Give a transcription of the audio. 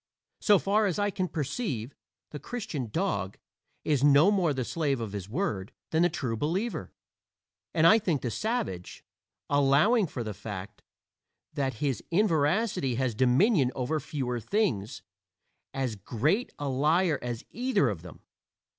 So far as I can perceive, the "Christian dog" is no more the slave of his word than the True Believer, and I think the savage allowing for the fact that his inveracity has dominion over fewer things as great a liar as either of them.